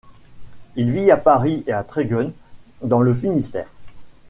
Il vit à Paris et à Trégunc, dans le Finistère.